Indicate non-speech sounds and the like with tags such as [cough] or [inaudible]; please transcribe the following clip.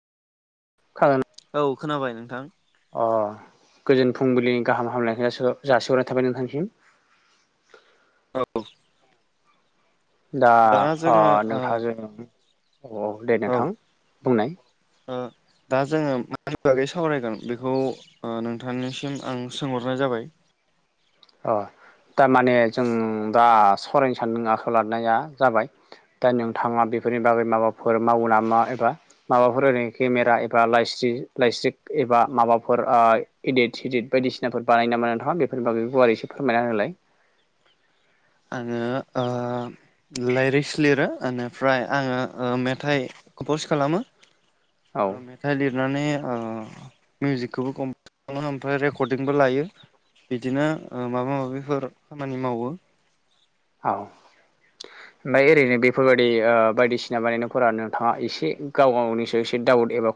[unintelligible] औ खोनाबाय नोंथां अ गोजोन फुंबिलिनि गाहाम हामलायनायखौ जासि-जासिहरनाय थाबाय नोंथांनिसिम औ दा दाना अ जोङो ओ नोंथां जों अ दे औ नोंथां बुंनाय ओ दा जोङो मानि बागै सावरायगोन बेखौ ओ नोंथांनिसिम आं सोंहरनाय जाबाय अ दामाने जों दा सावरायनो सानदों आखायाव लानाया जाबाय दा नोंथाङा बेफोरनि बागै माबाफोर मावो नामा एबा माबाफोर ओरै केमेरा एबा लाइस्रि लाइश्रिक एबा माबाफोर ओ इदिट सिडिट बायदिसिनाफोर बानायो नामा नोंथाङा बेफोरनि बागै गुवारै एसे फोरमायना होलाय आङो ओ लायरिक्स लिरो ओनिफ्राय आङो मेथाइ कम्पस खालामो औ ओ मे थाइय लिरनानै मिउजिकखौबो कम्सप खालामो ओमफ्राय रेकर्डिंबो लायो बिदिनो ओ माबा माबिफोर खामानि मावो। आव [inaudible] ओमफाय ओरैनो बेफोरबायदि ओ बायदिसिना बानायनायफोरा नोंथाङा एसे गाव गावनिसो एसे डाउट एबा